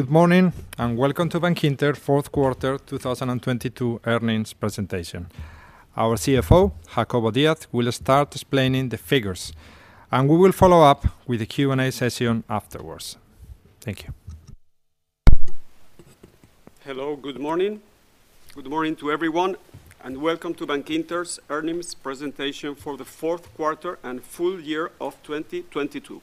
Good morning, and welcome to Bankinter fourth quarter 2022 earnings presentation. Our CFO, Jacobo Díaz, will start explaining the figures, and we will follow up with a Q&A session afterwards. Thank you. Hello, good morning. Good morning to everyone. Welcome to Bankinter's earnings presentation for the fourth quarter and full year of 2022.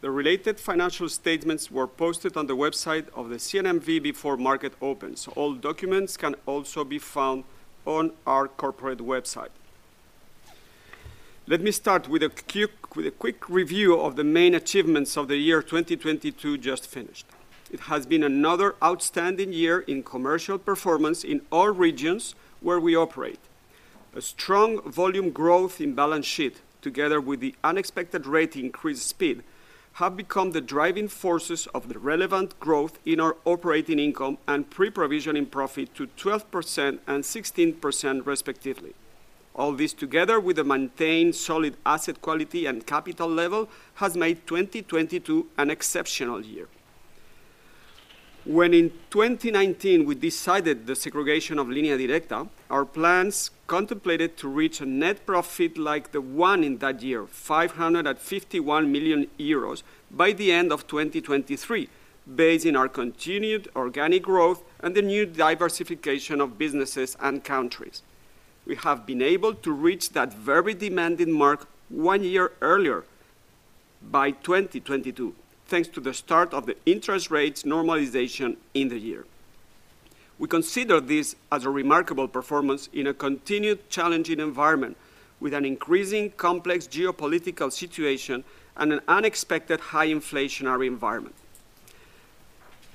The related financial statements were posted on the website of the CNMV before market opens. All documents can also be found on our corporate website. Let me start with a quick review of the main achievements of the year 2022 just finished. It has been another outstanding year in commercial performance in all regions where we operate. A strong volume growth in balance sheet, together with the unexpected rate increase speed, have become the driving forces of the relevant growth in our operating income and pre-provisioning profit to 12% and 16% respectively. All this together with a maintained solid asset quality and capital level, has made 2022 an exceptional year. When in 2019 we decided the segregation of Línea Directa, our plans contemplated to reach a net profit like the one in that year, 551 million euros, by the end of 2023, based in our continued organic growth and the new diversification of businesses and countries. We have been able to reach that very demanding mark one year earlier, by 2022, thanks to the start of the interest rates normalization in the year. We consider this as a remarkable performance in a continued challenging environment with an increasing complex geopolitical situation and an unexpected high inflationary environment.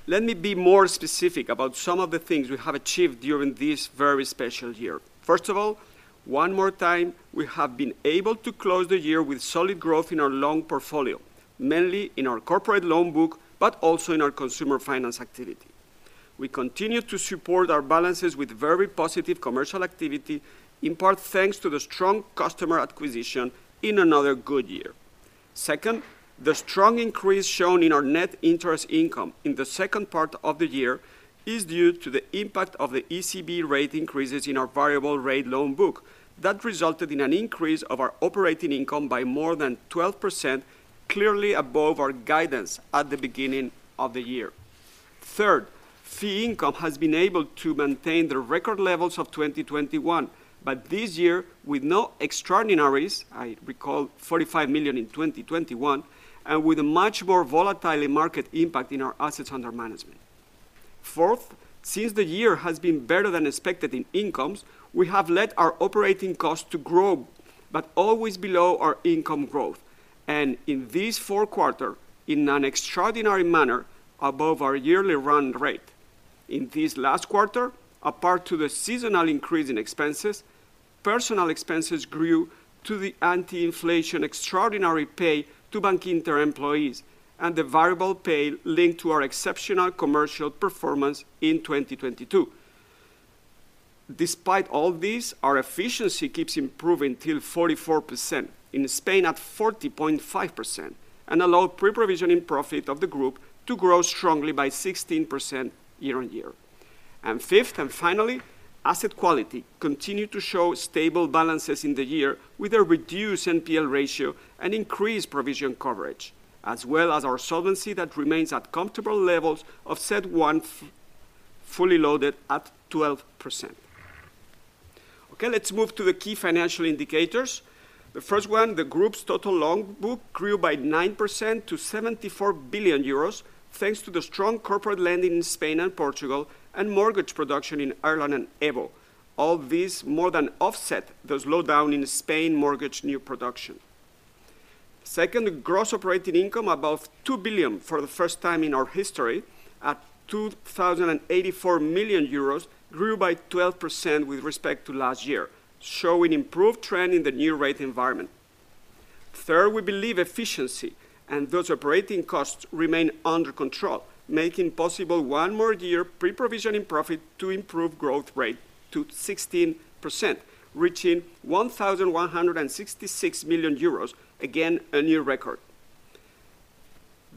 Let me be more specific about some of the things we have achieved during this very special year. First of all, one more time, we have been able to close the year with solid growth in our loan portfolio, mainly in our corporate loan book, but also in our consumer finance activity. We continue to support our balances with very positive commercial activity, in part thanks to the strong customer acquisition in another good year. Second, the strong increase shown in our Net Interest Income in the second part of the year is due to the impact of the ECB rate increases in our variable rate loan book. That resulted in an increase of our operating income by more than 12%, clearly above our guidance at the beginning of the year. Third, fee income has been able to maintain the record levels of 2021, but this year with no extraordinaries, I recall 45 million in 2021, and with a much more volatile market impact in our assets under management. Fourth, since the year has been better than expected in incomes, we have let our operating costs to grow, but always below our income growth, and in this fourth quarter, in an extraordinary manner, above our yearly run rate. In this last quarter, apart to the seasonal increase in expenses, personal expenses grew to the anti-inflation extraordinary pay to Bankinter employees and the variable pay linked to our exceptional commercial performance in 2022. Despite all this, our efficiency keeps improving till 44%, in Spain at 40.5%, and allow pre-provisioning profit of the group to grow strongly by 16% year-on-year. Fifth and finally, asset quality continued to show stable balances in the year with a reduced NPL ratio and increased provision coverage, as well as our solvency that remains at comfortable levels of CET1 fully loaded at 12%. Let's move to the key financial indicators. The first one, the group's total loan book grew by 9% to 74 billion euros, thanks to the strong corporate lending in Spain and Portugal and mortgage production in Ireland and EVO. This more than offset the slowdown in Spain mortgage new production. Second, gross operating income above two billion for the first time in our history at 2,084 million euros, grew by 12% with respect to last year, showing improved trend in the new rate environment. Third, we believe efficiency and those operating costs remain under control, making possible one more year pre-provisioning profit to improve growth rate to 16%, reaching 1,166 million euros. Again, a new record.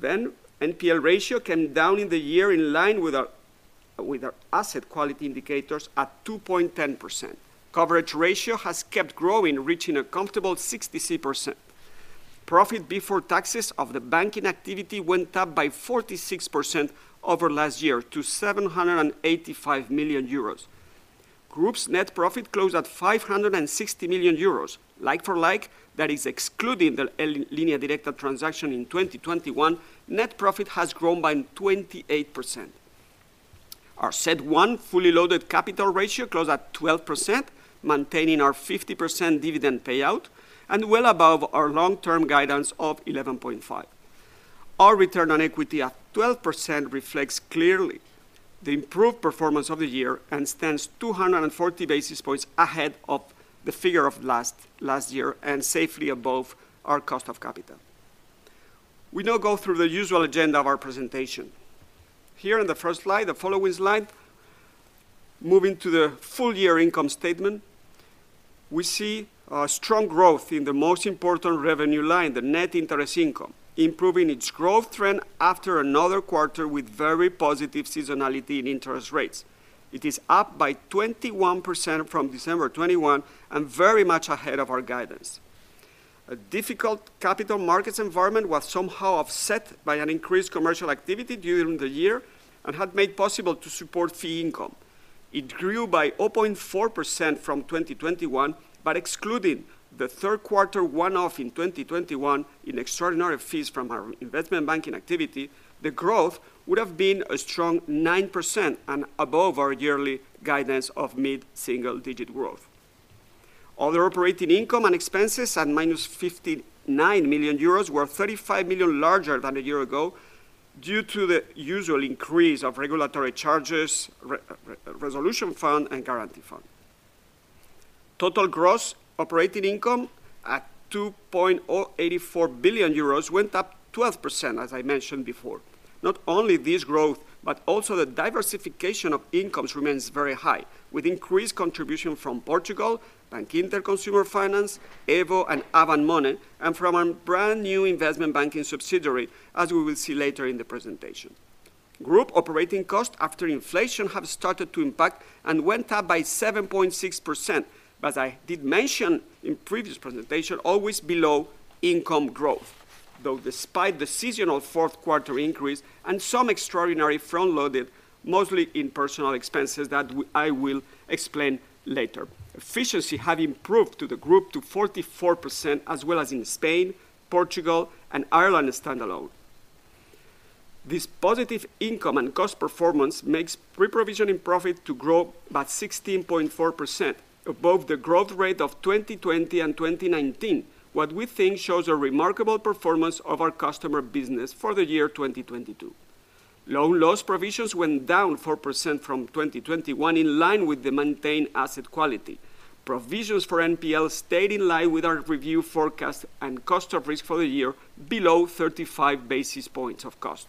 NPL ratio came down in the year in line with our asset quality indicators at 2.10%. Coverage ratio has kept growing, reaching a comfortable 63%. Profit before taxes of the banking activity went up by 46% over last year to 785 million euros. Group's net profit closed at 560 million euros. Like for like, that is excluding the Línea Directa transaction in 2021, net profit has grown by 28%. Our CET1 fully loaded capital ratio closed at 12%, maintaining our 50% dividend payout and well above our long-term guidance of 11.5%. Our return on equity at 12% reflects clearly the improved performance of the year and stands 240 basis points ahead of the figure of last year and safely above our cost of capital. We now go through the usual agenda of our presentation. Here in the first slide, the following slide. Moving to the full year income statement, we see strong growth in the most important revenue line, the net interest income, improving its growth trend after another quarter with very positive seasonality in interest rates. It is up by 21% from December 2021 and very much ahead of our guidance. A difficult capital markets environment was somehow offset by an increased commercial activity during the year and had made possible to support fee income. It grew by 0.4% from 2021, excluding the third quarter one-off in 2021 in extraordinary fees from our investment banking activity, the growth would have been a strong 9% and above our yearly guidance of mid-single digit growth. Other operating income and expenses at -59 million euros were 35 million larger than a year ago due to the usual increase of regulatory charges, Resolution Fund and Deposit Guarantee Fund. Total gross operating income at 2.84 billion euros went up 12%, as I mentioned before. Not only this growth, but also the diversification of incomes remains very high, with increased contribution from Portugal, Bankinter Consumer Finance, EVO and Avant Money, and from our brand new investment banking subsidiary, as we will see later in the presentation. Group operating costs after inflation have started to impact and went up by 7.6%. I did mention in previous presentation, always below income growth. Despite the seasonal fourth quarter increase and some extraordinary front-loaded, mostly in personal expenses, I will explain later. Efficiency have improved to the group to 44% as well as in Spain, Portugal and Ireland standalone. This positive income and cost performance makes pre-provisioning profit to grow by 16.4% above the growth rate of 2020 and 2019, what we think shows a remarkable performance of our customer business for the year 2022. Loan loss provisions went down 4% from 2021, in line with the maintained asset quality. Provisions for NPL stayed in line with our review forecast and cost of risk for the year below 35 basis points of cost.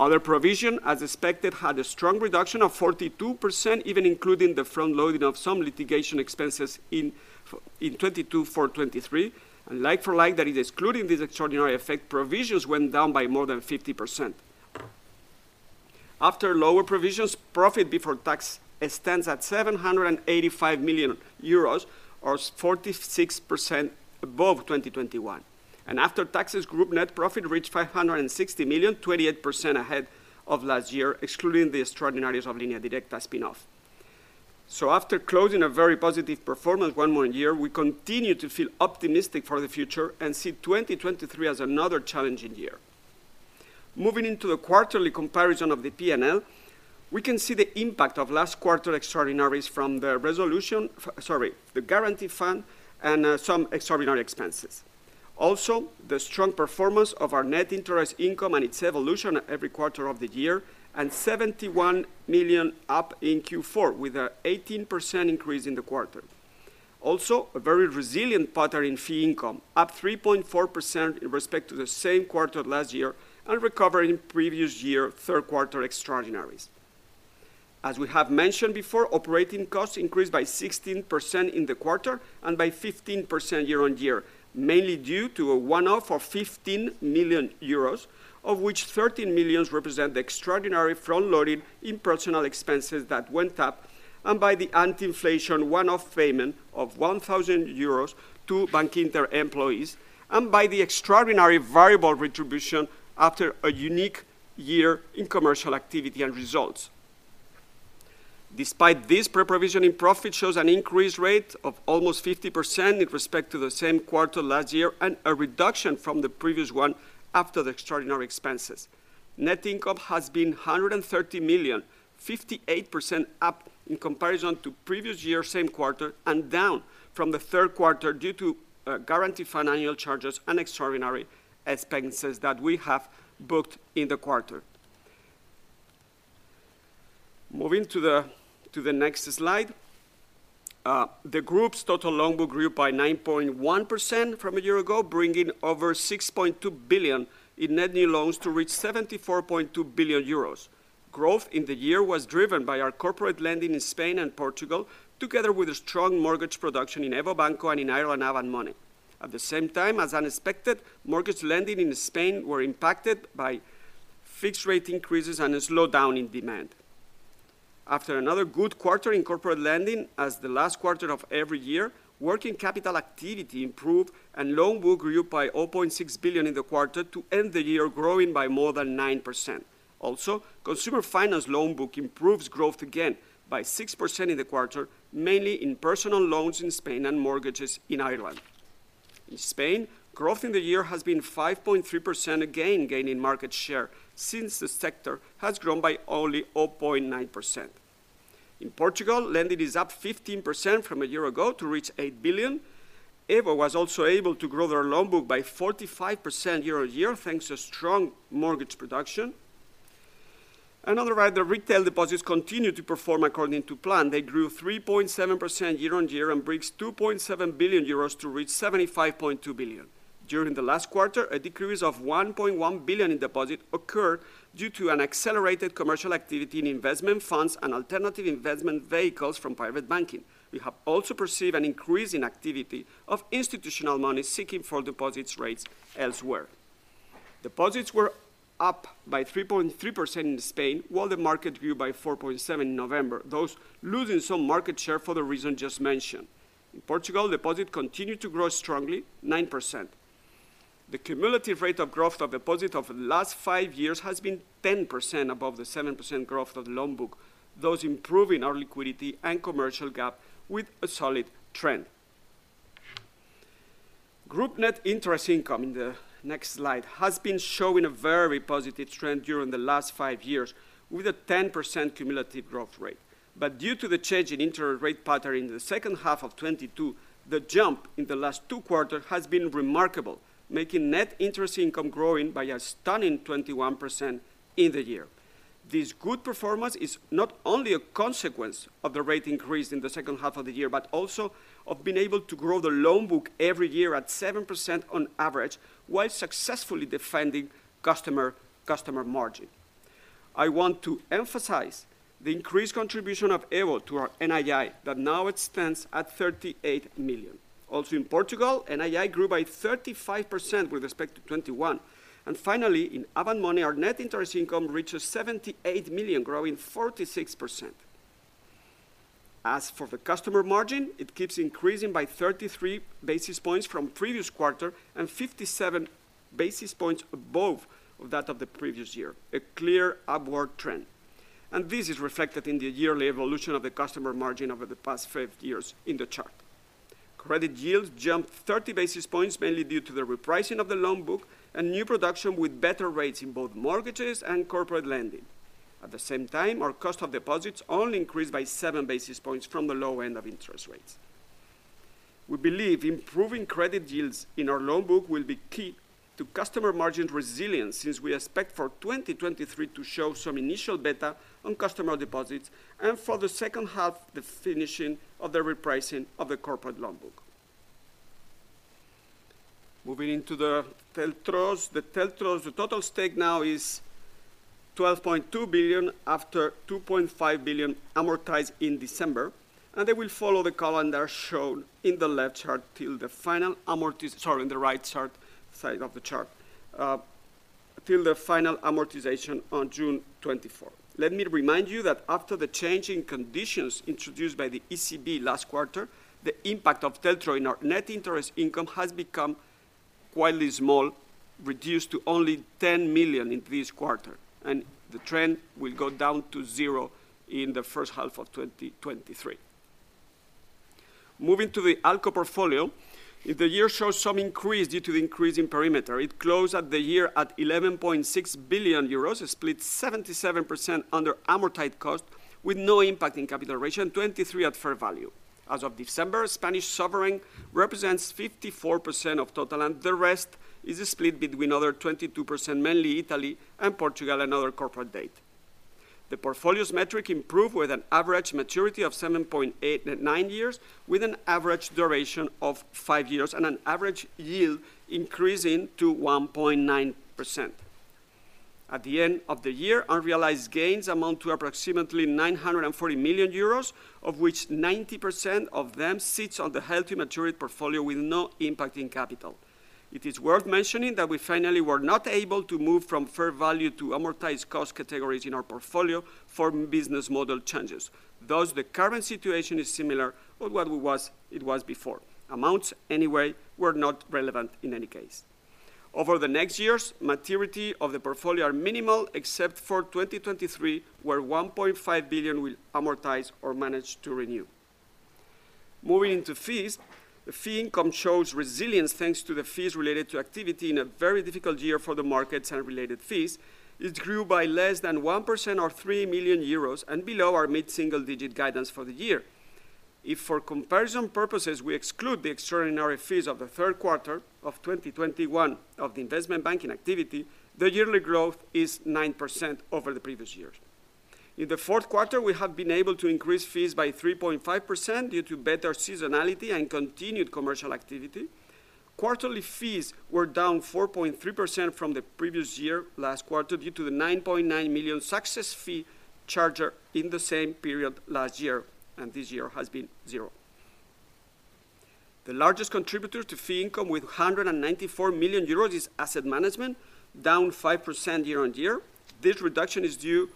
Other provision, as expected, had a strong reduction of 42%, even including the front-loading of some litigation expenses in 2022 for 2023. Like for like, that is excluding these extraordinary effect provisions, went down by more than 50%. After lower provisions, profit before tax extends at 785 million euros, or 46% above 2021. After taxes, group net profit reached 560 million, 28% ahead of last year, excluding the extraordinaries of Línea Directa spin-off. After closing a very positive performance one more year, we continue to feel optimistic for the future and see 2023 as another challenging year. Moving into the quarterly comparison of the P&L, we can see the impact of last quarter extraordinaries from the Resolution Fund, sorry, the Guarantee Fund and some extraordinary expenses. Also, the strong performance of our net interest income and its evolution every quarter of the year, 71 million up in Q4 with an 18% increase in the quarter. Also, a very resilient pattern in fee income, up 3.4% in respect to the same quarter last year and recovering previous year third quarter extraordinaries. As we have mentioned before, operating costs increased by 16% in the quarter and by 15% year-on-year, mainly due to a one-off of 15 million euros, of which 13 million represent the extraordinary front-loading in personal expenses that went up, and by the anti-inflation one-off payment of 1,000 euros to Bankinter employees, and by the extraordinary variable retribution after a unique year in commercial activity and results. Despite this, pre-provisioning profit shows an increase rate of almost 50% in respect to the same quarter last year and a reduction from the previous one after the extraordinary expenses. Net income has been 130 million, 58% up in comparison to previous year same quarter, and down from the third quarter due to guaranteed financial charges and extraordinary expenses that we have booked in the quarter. Moving to the next slide. The group's total loan book grew by 9.1% from a year ago, bringing over 6.2 billion in net new loans to reach 74.2 billion euros. Growth in the year was driven by our corporate lending in Spain and Portugal, together with a strong mortgage production in EVO Banco and in Ireland Avant Money. At the same time, as unexpected, mortgage lending in Spain were impacted by fixed rate increases and a slowdown in demand. After another good quarter in corporate lending, as the last quarter of every year, working capital activity improved and loan book grew by 0.6 billion in the quarter to end the year growing by more than 9%. Also, Consumer Finance loan book improves growth again by 6% in the quarter, mainly in personal loans in Spain and mortgages in Ireland. In Spain, growth in the year has been 5.3%, again gaining market share since the sector has grown by only 0.9%. In Portugal, lending is up 15% from a year ago to reach eight billion. EVO was also able to grow their loan book by 45% year on year, thanks to strong mortgage production. On other other, the retail deposits continued to perform according to plan. They grew 3.7% year-over-year and brings 2.7 billion euros to reach 75.2 billion. During the last quarter, a decrease of 1.1 billion in deposit occurred due to an accelerated commercial activity in investment funds and alternative investment vehicles from private banking. We have also perceived an increase in activity of institutional money seeking for deposits rates elsewhere. Deposits were up by 3.3% in Spain, while the market grew by 4.7% in November, those losing some market share for the reason just mentioned. In Portugal, deposit continued to grow strongly, 9%. The cumulative rate of growth of deposit over the last five years has been 10% above the 7% growth of the loan book, thus improving our liquidity and commercial gap with a solid trend. Group Net Interest Income, in the next slide, has been showing a very positive trend during the last five years with a 10% cumulative growth rate. Due to the change in interest rate pattern in the second half of 2022, the jump in the last two quarters has been remarkable, making Net Interest Income growing by a stunning 21% in the year. This good performance is not only a consequence of the rate increase in the second half of the year, but also of being able to grow the loan book every year at 7% on average, while successfully defending customer margin. I want to emphasize the increased contribution of EVO to our NII that now extends at 38 million. In Portugal, NII grew by 35% with respect to 2021. Finally, in Avant Money, our net interest income reaches 78 million, growing 46%. As for the customer margin, it keeps increasing by 33 basis points from previous quarter and 57 basis points above that of the previous year, a clear upward trend. This is reflected in the yearly evolution of the customer margin over the past five years in the chart. Credit yields jumped 30 basis points, mainly due to the repricing of the loan book and new production with better rates in both mortgages and corporate lending. Our cost of deposits only increased by seven basis points from the low end of interest rates. We believe improving credit yields in our loan book will be key to customer margin resilience, since we expect for 2023 to show some initial data on customer deposits, and for the second half, the finishing of the repricing of the corporate loan book. Moving into the TLTROs. The TLTROs, the total stake now is 12.2 billion after 2.5 billion amortized in December. They will follow the calendar shown in the left chart till the final Sorry, in the right chart, side of the chart, till the final amortization on June 24th. Let me remind you that after the change in conditions introduced by the ECB last quarter, the impact of TLTRO in our net interest income has become quite small, reduced to only 10 million in this quarter, and the trend will go down to zero in the first half of 2023. Moving to the ALCO portfolio, the year shows some increase due to the increase in perimeter. It closed at the year at 11.6 billion euros, split 77% under amortized cost with no impact in capital ratio, and 23% at fair value. As of December, Spanish sovereign represents 54% of total, and the rest is split between other 22%, mainly Italy and Portugal, and other corporate debt. The portfolio's metric improved with an average maturity of 7.89 years, with an average duration of 5 years and an average yield increasing to 1.9%. At the end of the year, unrealized gains amount to approximately 940 million euros, of which 90% of them sits on the healthy maturity portfolio with no impact in capital. It is worth mentioning that we finally were not able to move from fair value to amortized cost categories in our portfolio for business model changes, thus the current situation is similar with what it was before. Amounts, anyway, were not relevant in any case. Over the next years, maturity of the portfolio are minimal except for 2023, where 1.5 billion will amortize or manage to renew. Moving into fees, the fee income shows resilience thanks to the fees related to activity in a very difficult year for the markets and related fees. It grew by less than 1% or three million euros and below our mid-single digit guidance for the year. If for comparison purposes, we exclude the extraordinary fees of the Q3 2021 of the investment banking activity, the yearly growth is 9% over the previous years. In the Q4, we have been able to increase fees by 3.5% due to better seasonality and continued commercial activity. Quarterly fees were down 4.3% from the previous year, last quarter, due to the 9.9 million success fee charged in the same period last year, and this year has been zero. The largest contributor to fee income with 194 million euros is asset management, down 5% year on year. This reduction is due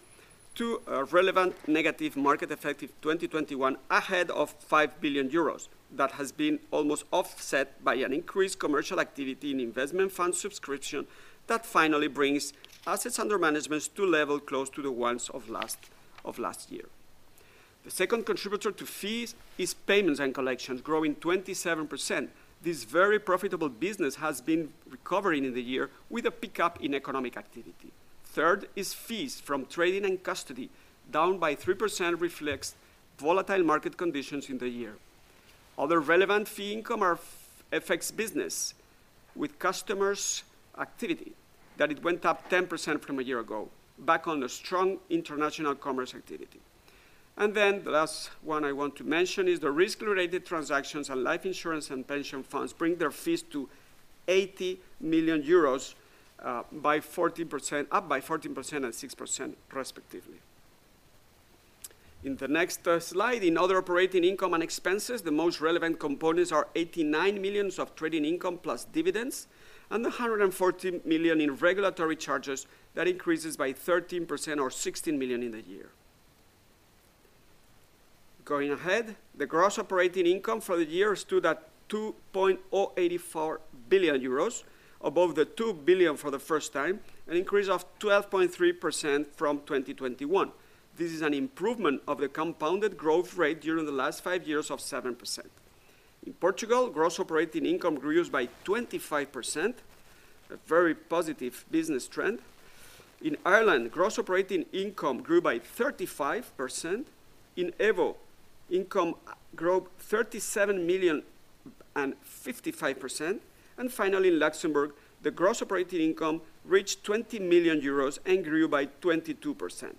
to a relevant negative market effect of 2021 ahead of five billion euros that has been almost offset by an increased commercial activity in investment fund subscription that finally brings assets under management to level close to the ones of last year. The second contributor to fees is payments and collections, growing 27%. This very profitable business has been recovering in the year with a pickup in economic activity. Third is fees from trading and custody, down by 3%, reflects volatile market conditions in the year. Other relevant fee income affects business with customers' activity, that it went up 10% from a year ago, back on a strong international commerce activity. The last one I want to mention is the risk-related transactions and life insurance and pension funds bring their fees to 80 million euros, up by 14% and 6% respectively. In the next slide, in other operating income and expenses, the most relevant components are 89 million of trading income plus dividends and 114 million in regulatory charges that increases by 13% or 16 million in the year. Going ahead, the gross operating income for the year stood at 2.084 billion euros, above two billion for the first time, an increase of 12.3% from 2021. This is an improvement of the compounded growth rate during the last five years of 7%. In Portugal, gross operating income grew by 25%, a very positive business trend. In Ireland, gross operating income grew by 35%. In EVO, income grew 37 million and 55%. Finally, in Luxembourg, the gross operating income reached 20 million euros and grew by 22%.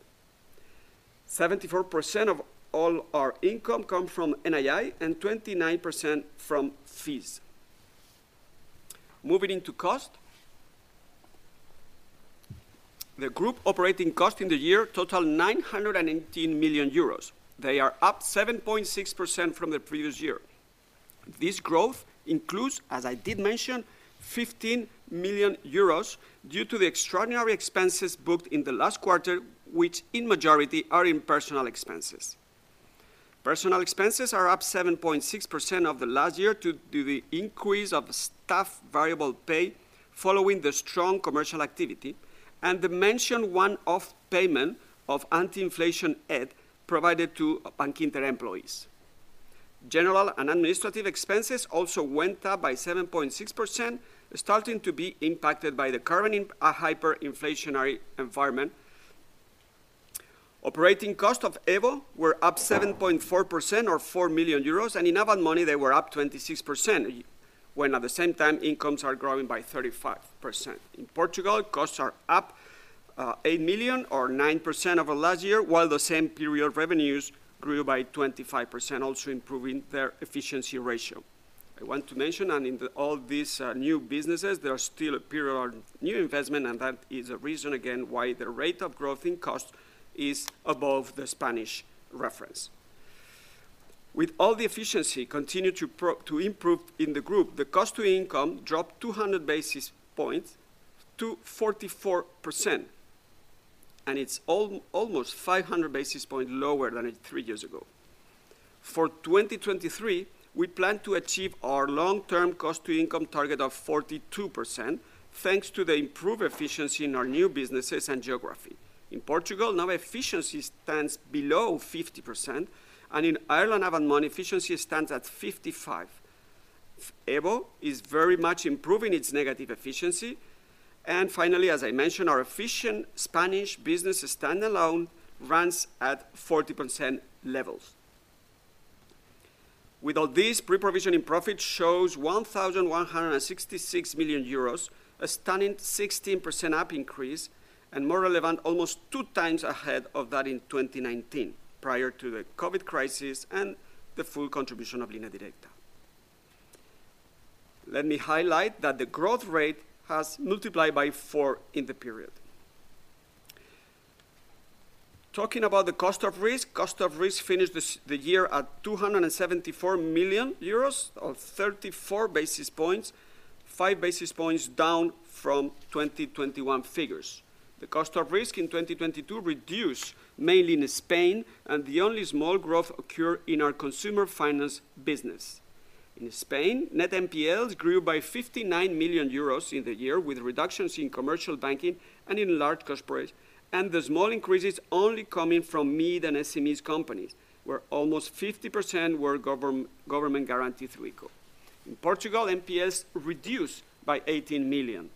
74% of all our income come from NII and 29% from fees. Moving into cost. The group operating cost in the year totaled 918 million euros. They are up 7.6% from the previous year. This growth includes, as I did mention, 15 million euros due to the extraordinary expenses booked in the last quarter, which in majority are in personal expenses. Personal expenses are up 7.6% of the last year due to the increase of staff variable pay following the strong commercial activity and the mentioned one-off payment of anti-inflation aid provided to Bankinter employees. General and administrative expenses also went up by 7.6%, starting to be impacted by the current hyperinflationary environment. Operating cost of EVO were up 7.4% or four million euros. In Avant Money, they were up 26%, when at the same time, incomes are growing by 35%. In Portugal, costs are up eight million or 9% over last year, while the same period revenues grew by 25%, also improving their efficiency ratio. I want to mention, all these new businesses, there are still a period of new investment, and that is a reason again why the rate of growth in cost is above the Spanish reference. With all the efficiency continued to improve in the group, the cost-to-income dropped 200 basis points to 44%, and it's almost 500 basis point lower than it three years ago. For 2023, we plan to achieve our long-term cost-to-income target of 42%, thanks to the improved efficiency in our new businesses and geography. In Portugal, now efficiency stands below 50%, and in Ireland Avant Money, efficiency stands at 55. EVO is very much improving its negative efficiency. Finally, as I mentioned, our efficient Spanish business standalone runs at 40% levels. All this, pre-provisioning in profit shows 1,166 million euros, a stunning 16% up increase, more relevant, almost two times ahead of that in 2019, prior to the COVID crisis and the full contribution of Línea Directa. Let me highlight that the growth rate has multiplied by four in the period. Talking about the cost of risk. Cost of risk finished the year at 274 million euros, or 34 basis points, five basis points down from 2021 figures. The cost of risk in 2022 reduced, mainly in Spain, the only small growth occur in our consumer finance business. In Spain, net NPLs grew by 59 million euros in the year, with reductions in commercial banking and in large corporate, the small increases only coming from mid and SMEs companies, where almost 50% were government guaranteed ICO. In Portugal, NPLs reduced by 18 million.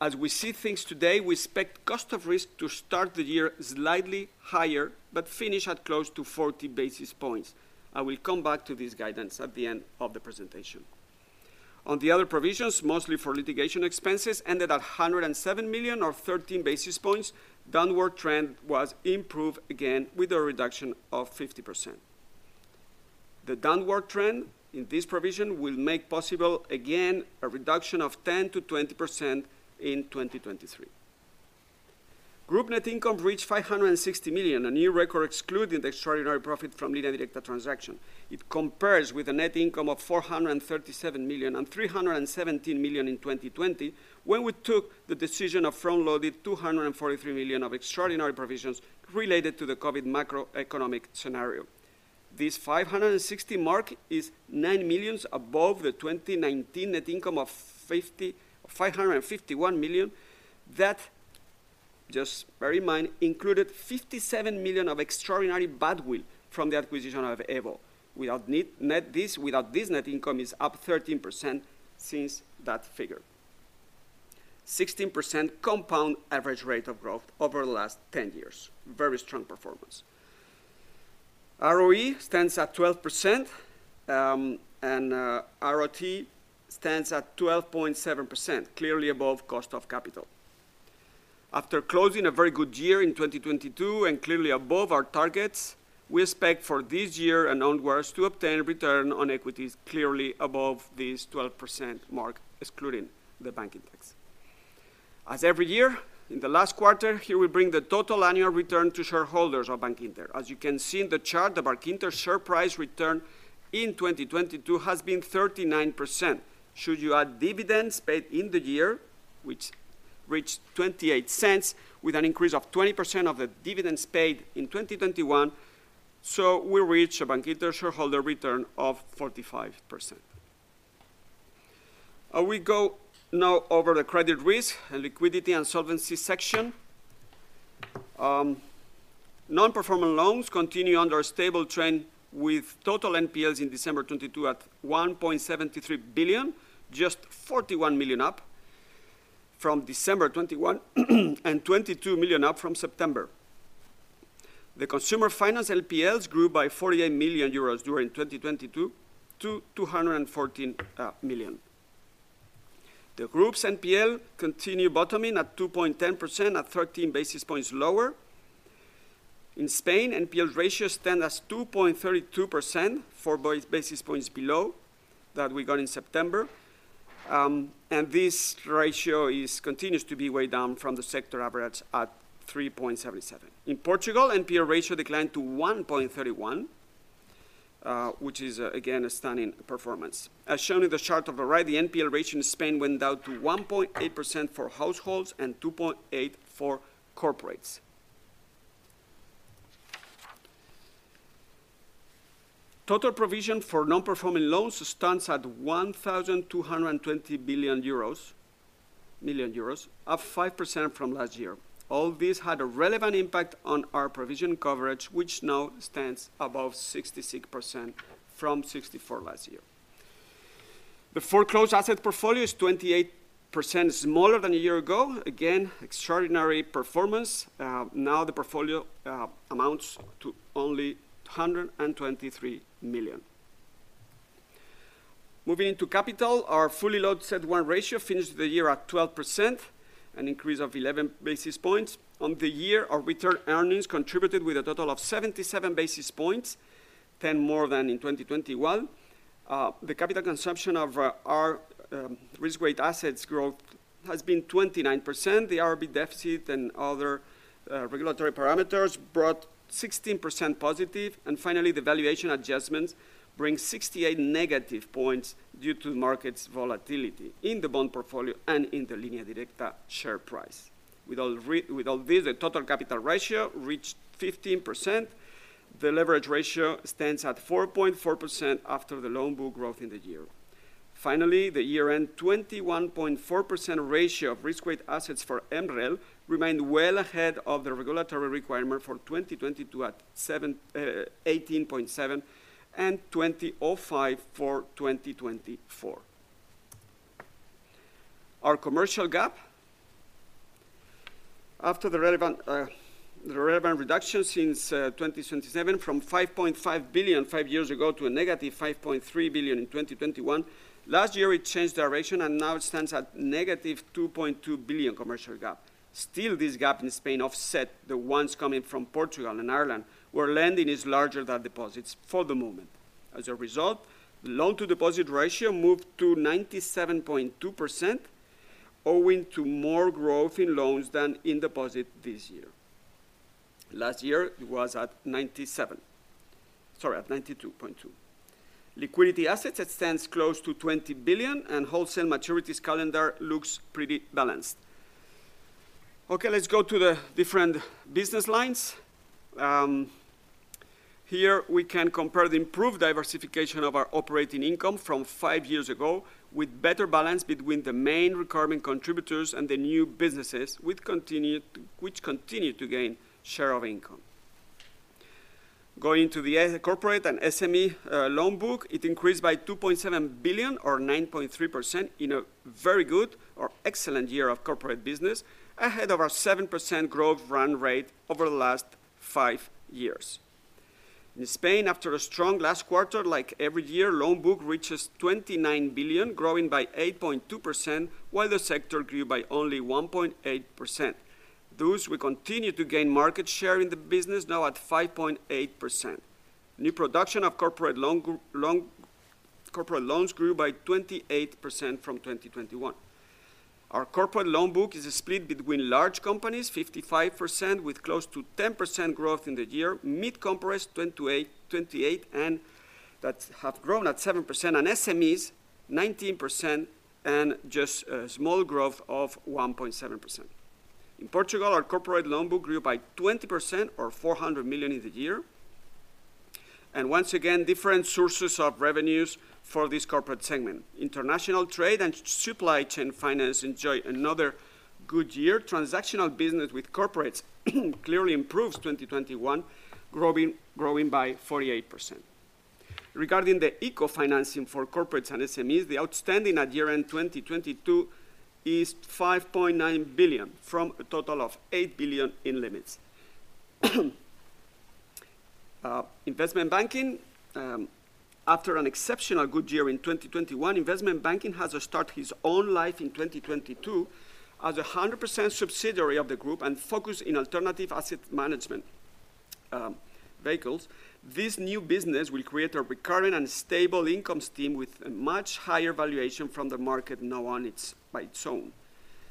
As we see things today, we expect cost of risk to start the year slightly higher but finish at close to 40 basis points. I will come back to this guidance at the end of the presentation. On the other provisions, mostly for litigation expenses, ended at 107 million or 13 basis points. Downward trend was improved again with a reduction of 50%. The downward trend in this provision will make possible, again, a reduction of 10%-20% in 2023. Group net income reached 560 million, a new record excluding the extraordinary profit from Línea Directa transaction. It compares with a net income of 437 million and 317 million in 2020, when we took the decision of front-loaded 243 million of extraordinary provisions related to the COVID macroeconomic scenario. This 560 mark is nine million above the 2019 net income of 551 million. Just bear in mind, included 57 million of extraordinary bad will from the acquisition of EVO. Without this, net income is up 13% since that figure. 16% compound average rate of growth over the last 10 years. Very strong performance. ROE stands at 12%, and ROTE stands at 12.7%, clearly above cost of capital. After closing a very good year in 2022 and clearly above our targets, we expect for this year and onwards to obtain return on equities clearly above this 12% mark, excluding the banking tax. As every year, in the last quarter, here we bring the total annual return to shareholders of Bankinter. As you can see in the chart, the Bankinter share price return in 2022 has been 39%. Should you add dividends paid in the year, which reached 0.28 with an increase of 20% of the dividends paid in 2021, we reach a Bankinter shareholder return of 45%. We go now over the credit risk and liquidity and solvency section. Non-Performing Loans continue under a stable trend with total NPLs in December 2022 at 1.73 billion, just 41 million up from December 2021 and 22 million up from September. The Bankinter Consumer Finance NPLs grew by 48 million euros during 2022 to 214 million. The group's NPL continue bottoming at 2.10%, at 13 basis points lower. In Spain, NPL ratio stand as 2.32%, four basis points below that we got in September. And this ratio continues to be way down from the sector average at 3.77%. In Portugal, NPL ratio declined to 1.31%, which is, again, a stunning performance. As shown in the chart on the right, the NPL ratio in Spain went down to 1.8% for households and 2.8% for corporates. Total provision for non-performing loans stands at 1,220 million euros, up 5% from last year. All this had a relevant impact on our provision coverage, which now stands above 66% from 64 last year. The foreclosed asset portfolio is 28% smaller than a year ago. Again, extraordinary performance. Now the portfolio amounts to only 123 million. Moving into capital, our fully loaded CET1 ratio finished the year at 12%, an increase of 11 basis points. On the year, our return earnings contributed with a total of 77 basis points, 10 more than in 2021. The capital consumption of our risk-weighted assets growth has been 29%. The RB deficit and other regulatory parameters brought 16% positive. Finally, the valuation adjustments bring -68 points due to market's volatility in the bond portfolio and in the Línea Directa share price. With all this, the total capital ratio reached 15%. The leverage ratio stands at 4.4% after the loan book growth in the year. Finally, the year-end 21.4% ratio of risk-weighted assets for MREL remained well ahead of the regulatory requirement for 2022 at 18.7% and 20.5% for 2024. Our commercial gap, after the relevant reduction since 2017 from 5.5 billion five years ago to a -5.3 billion in 2021, last year it changed direction, and now it stands at -2.2 billion commercial gap. This gap in Spain offset the ones coming from Portugal and Ireland, where lending is larger than deposits for the moment. The loan-to-deposit ratio moved to 97.2%, owing to more growth in loans than in deposit this year. Last year, it was at 97. Sorry, at 92.2. Liquidity assets, it stands close to 20 billion, wholesale maturities calendar looks pretty balanced. Okay, let's go to the different business lines. Here we can compare the improved diversification of our operating income from five years ago with better balance between the main recurring contributors and the new businesses, which continue to gain share of income. Going to the corporate and SME loan book, it increased by 2.7 billion or 9.3% in a very good or excellent year of corporate business, ahead of our 7% growth run rate over the last five years. In Spain, after a strong last quarter, like every year, loan book reaches 29 billion, growing by 8.2%, while the sector grew by only 1.8%. We continue to gain market share in the business, now at 5.8%. New production of corporate loans grew by 28% from 2021. Our corporate loan book is split between large companies, 55%, with close to 10% growth in the year, mid companies, 28%, that have grown at 7%, and SMEs, 19% and just a small growth of 1.7%. In Portugal, our corporate loan book grew by 20% or 400 million in the year. Once again, different sources of revenues for this corporate segment. International trade and supply chain finance enjoy another good year. Transactional business with corporates clearly improves 2021, growing by 48%. Regarding the eco-financing for corporates and SMEs, the outstanding at year-end 2022 is 5.9 billion from a total of eight billion in limits. Investment banking, after an exceptional good year in 2021, investment banking has to start his own life in 2022 as a 100% subsidiary of the group and focus in alternative asset management vehicles. This new business will create a recurring and stable income stream with a much higher valuation from the market now by its own.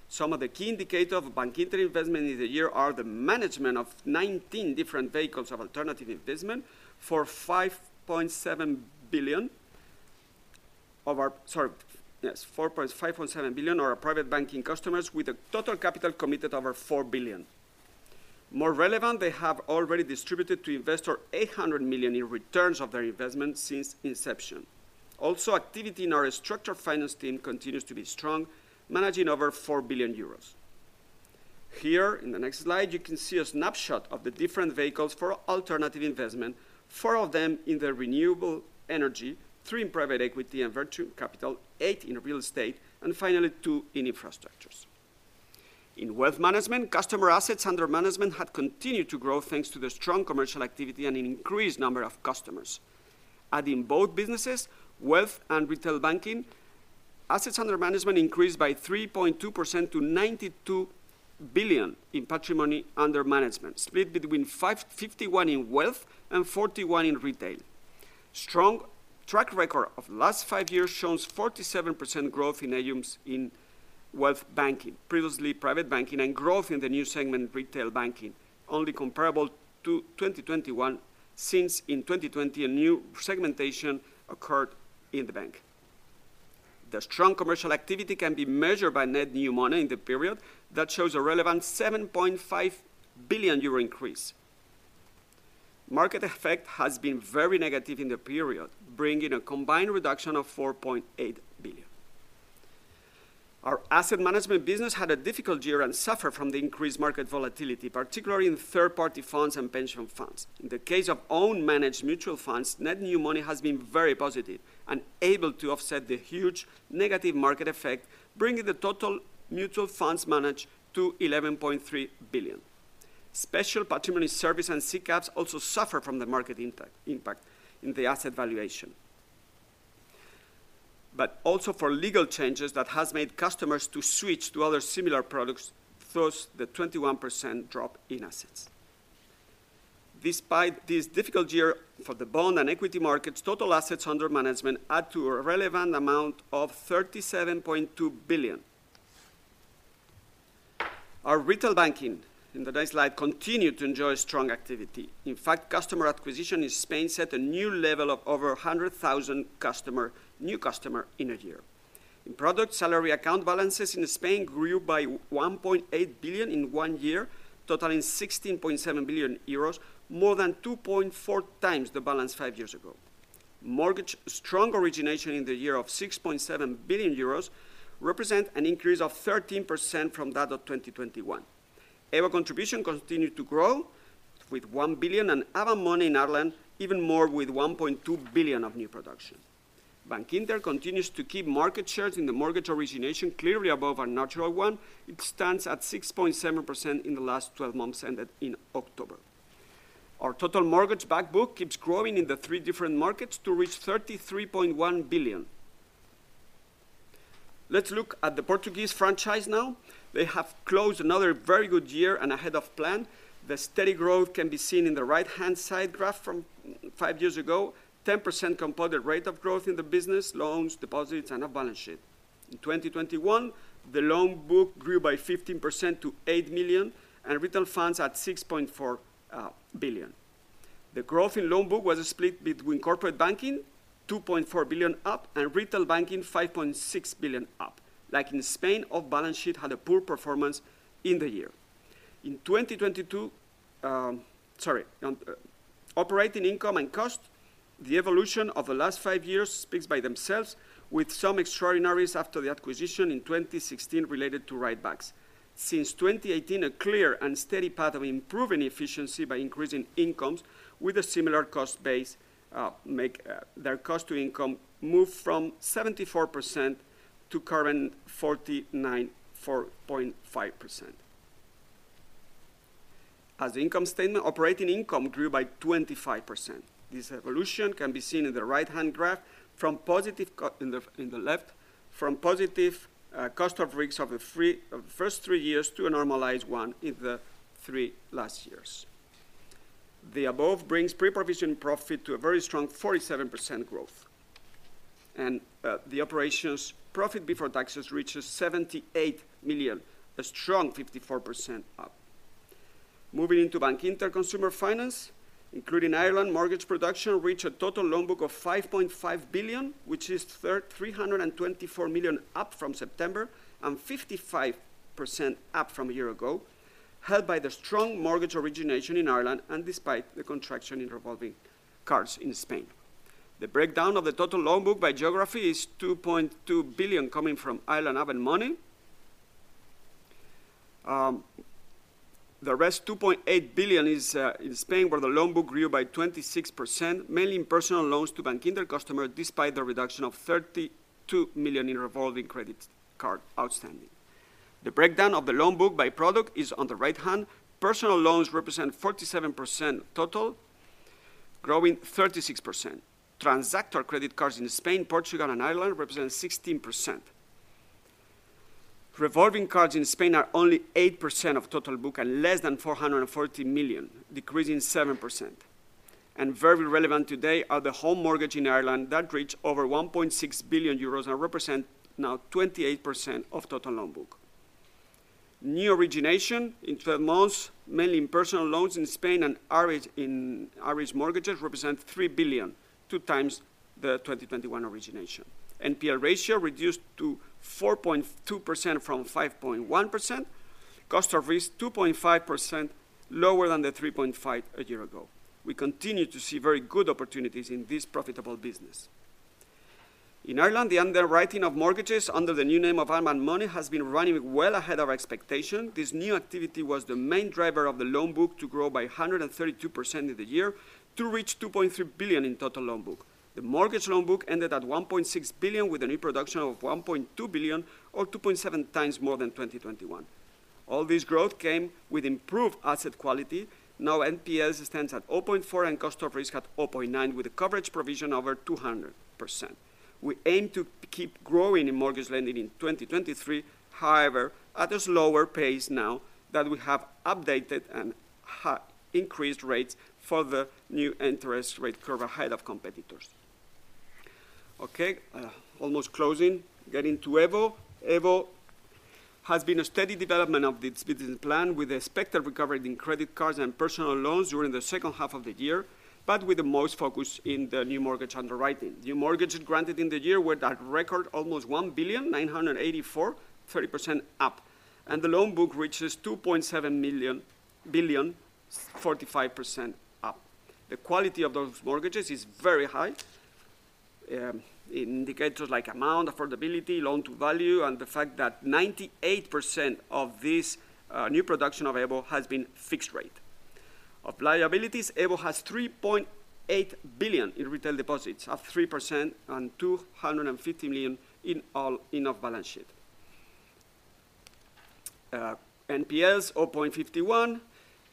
Some of the key indicator of Bankinter Investment in the year are the management of 19 different vehicles of alternative investment for 5.7 billion of our private banking customers, with a total capital committed over 4 billion. More relevant, they have already distributed to investor 800 million in returns of their investment since inception. Also, activity in our structured finance team continues to be strong, managing over four billion euros. Here, in the next slide, you can see a snapshot of the different vehicles for alternative investment, four of them in the renewable energy, three in private equity and venture capital, eight in real estate, and finally, two in infrastructures. In wealth management, customer assets under management had continued to grow thanks to the strong commercial activity and an increased number of customers. Adding both businesses, wealth and retail banking, assets under management increased by 3.2% to 92 billion in patrimony under management, split between 51 in wealth and 41 in retail. Strong track record of last five years shows 47% growth in AUMs in wealth banking, previously private banking, and growth in the new segment, retail banking, only comparable to 2021 since in 2020, a new segmentation occurred in the bank. The strong commercial activity can be measured by net new money in the period that shows a relevant 7.5 billion euro increase. Market effect has been very negative in the period, bringing a combined reduction of 4.8 billion. Our asset management business had a difficult year and suffer from the increased market volatility, particularly in third-party funds and pension funds. In the case of own managed mutual funds, net new money has been very positive and able to offset the huge negative market effect, bringing the total mutual funds managed to 11.3 billion. Special patrimony service and SICAVs also suffer from the market impact in the asset valuation. Also for legal changes that has made customers to switch to other similar products, thus the 21% drop in assets. Despite this difficult year for the bond and equity markets, total assets under management add to a relevant amount of 37.2 billion. Our retail banking, in the next slide, continued to enjoy strong activity. In fact, customer acquisition in Spain set a new level of over 100,000 customer, new customer in a year. In product, salary account balances in Spain grew by 1.8 billion in one year, totaling 16.7 billion euros, more than 2.4 times the balance five years ago. Mortgage strong origination in the year of 6.7 billion euros represent an increase of 13% from that of 2021. Avant contribution continued to grow with one billion, and Avant Money in Ireland even more with 1.2 billion of new production. Bankinter continues to keep market shares in the mortgage origination clearly above our natural one. It stands at 6.7% in the last 12 months ended in October. Our total mortgage back book keeps growing in the three different markets to reach 33.1 billion. Let's look at the Portuguese franchise now. They have closed another very good year and ahead of plan. The steady growth can be seen in the right-hand side graph from five years ago. 10% compounded rate of growth in the business, loans, deposits, and off balance sheet. In 2021, the loan book grew by 15% to eight million and retail funds at 6.4 billion. The growth in loan book was split between corporate banking, 2.4 billion up, and retail banking, 5.6 billion up. Like in Spain, off balance sheet had a poor performance in the year. In 2022, sorry. Operating income and cost, the evolution of the last five years speaks by themselves with some extraordinaries after the acquisition in 2016 related to write-backs. Since 2018, a clear and steady path of improving efficiency by increasing incomes with a similar cost base, make their cost-to-income move from 74% to current 49.5%. As income statement, operating income grew by 25%. This evolution can be seen in the right-hand graph from positive in the left, from positive cost of risk of the first 3 years to a normalized one in the three last years. The above brings pre-provisioning profit to a very strong 47% growth. The operations profit before taxes reaches 78 million, a strong 54% up. Moving into Bankinter Consumer Finance, including Ireland, mortgage production reached a total loan book of 5.5 billion, which is 324 million up from September and 55% up from a year ago, held by the strong mortgage origination in Ireland and despite the contraction in revolving cards in Spain. The breakdown of the total loan book by geography is 2.2 billion coming from Ireland Avant Money. The rest, 2.8 billion is in Spain, where the loan book grew by 26%, mainly in personal loans to Bankinter customer, despite the reduction of 32 million in revolving credit card outstanding. The breakdown of the loan book by product is on the right hand. Personal loans represent 47% total, growing 36%. Transactor credit cards in Spain, Portugal and Ireland represent 16%. Revolving cards in Spain are only 8% of total book and less than 440 million, decreasing 7%. Very relevant today are the home mortgage in Ireland that reach over 1.6 billion euros and represent now 28% of total loan book. New origination in 12 months, mainly in personal loans in Spain and in Irish mortgages, represent 3 billion, 2 times the 2021 origination. NPL ratio reduced to 4.2% from 5.1%. Cost of risk, 2.5%, lower than the 3.5% a year ago. We continue to see very good opportunities in this profitable business. In Ireland, the underwriting of mortgages under the new name of Avant Money has been running well ahead of expectation. This new activity was the main driver of the loan book to grow by 132% in the year to reach 2.3 billion in total loan book. The mortgage loan book ended at 1.6 billion with a new production of 1.2 billion or 2.7 times more than 2021. All this growth came with improved asset quality. NPLs stands at 0.4% and cost of risk at 0.9%, with a coverage provision over 200%. We aim to keep growing in mortgage lending in 2023. However, at a slower pace now that we have updated and increased rates for the new interest rate curve ahead of competitors. Okay, almost closing. Getting to EVO. EVO has been a steady development of its business plan with the expected recovery in credit cards and personal loans during the second half of the year, with the most focus in the new mortgage underwriting. New mortgages granted in the year were at record almost 1.984 billion, 30% up. The loan book reaches 2.7 billion, 45% up. The quality of those mortgages is very high, in indicators like amount, affordability, loan to value, and the fact that 98% of this new production of EVO has been fixed rate. Of liabilities, EVO has 3.8 billion in retail deposits, up 3% on 250 million in off balance sheet. NPLs, 0.51,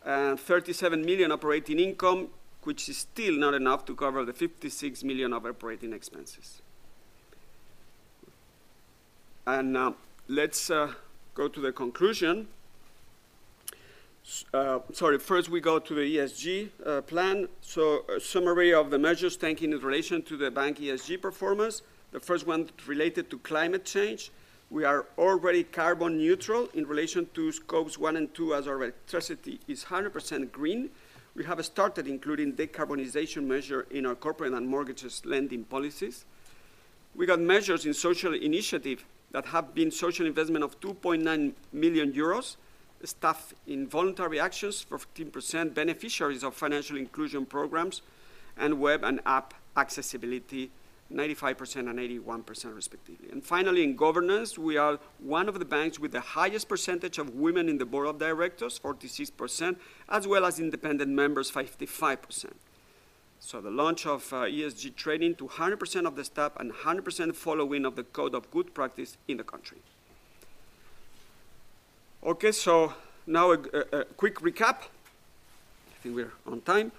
and 37 million operating income, which is still not enough to cover the 56 million of operating expenses. Let's go to the conclusion. Sorry, first we go to the ESG plan. A summary of the measures taken in relation to the bank ESG performance. The first one related to climate change. We are already carbon neutral in relation to Scope 1 and 2, as our electricity is 100% green. We have started including decarbonization measure in our corporate and mortgages lending policies. We got measures in social initiative that have been social investment of 2.9 million euros, staff in voluntary actions, 14% beneficiaries of financial inclusion programs, and web and app accessibility, 95% and 81% respectively. In governance, we are one of the banks with the highest percentage of women in the board of directors, 46%, as well as independent members, 55%. The launch of ESG trading to 100% of the staff and 100% following of the Code of Good Practice in the country. A quick recap. I think we're on time.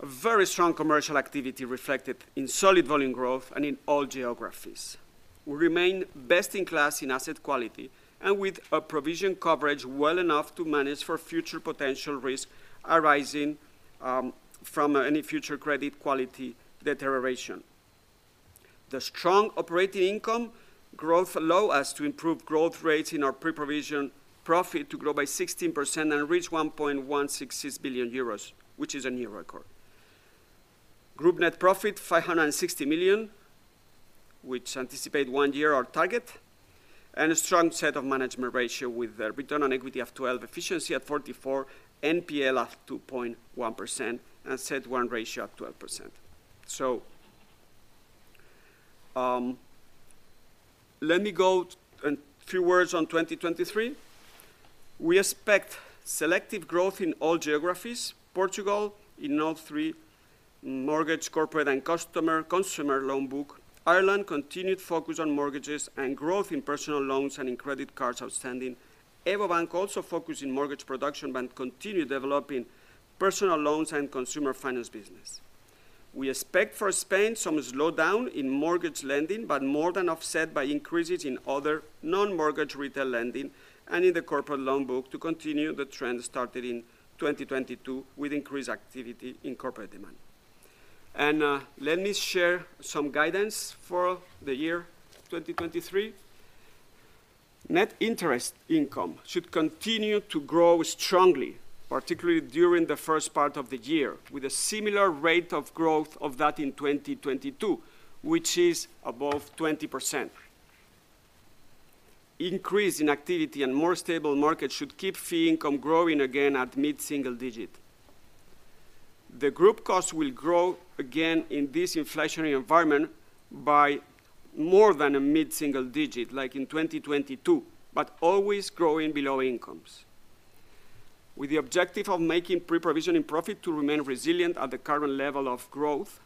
A very strong commercial activity reflected in solid volume growth and in all geographies. We remain best in class in asset quality and with a provision coverage well enough to manage for future potential risk arising from any future credit quality deterioration. The strong operating income growth allow us to improve growth rates in our pre-provisioning profit to grow by 16% and reach 1.166 billion euros, which is a new record. Group net profit, 560 million, which anticipate one year our target, and a strong set of management ratio with a return on equity of 12%, efficiency at 44%, NPL of 2.1% and CET1 ratio at 12%. Let me go a few words on 2023. We expect selective growth in all geographies, Portugal in all three, mortgage, corporate, and consumer loan book. Ireland continued focus on mortgages and growth in personal loans and in credit cards outstanding. EVO Banco also focus in mortgage production but continue developing personal loans and consumer finance business. We expect for Spain some slowdown in mortgage lending, but more than offset by increases in other non-mortgage retail lending and in the corporate loan book to continue the trend started in 2022 with increased activity in corporate demand. Let me share some guidance for the year 2023. Net interest income should continue to grow strongly, particularly during the first part of the year, with a similar rate of growth of that in 2022, which is above 20%. Increase in activity and more stable market should keep fee income growing again at mid-single digit. The group cost will grow again in this inflationary environment by more than a mid-single digit, like in 2022, but always growing below incomes. With the objective of making pre-provisioning profit to remain resilient at the current level of growth.